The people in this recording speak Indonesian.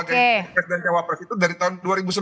kes dan jawab pers itu dari tahun dua ribu sembilan